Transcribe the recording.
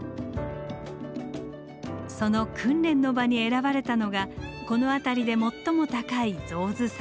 その訓練の場に選ばれたのがこの辺りで最も高い象頭山。